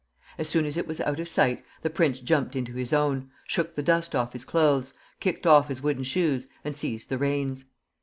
As soon as it was out of sight, the prince jumped into his own, shook the dust off his clothes, kicked off his wooden shoes, and seized the reins.